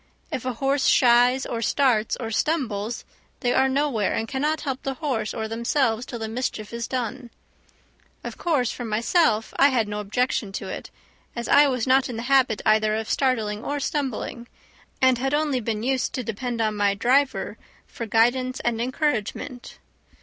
If a horse shies, or starts, or stumbles, they are nowhere, and cannot help the horse or themselves till the mischief is done. Of course, for myself I had no objection to it, as I was not in the habit either of starting or stumbling, and had only been used to depend on my driver for guidance and encouragement.